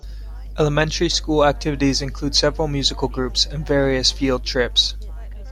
Elementary school activities include several musical groups and various field trips.